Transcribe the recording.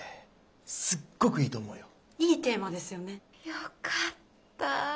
よかったぁ。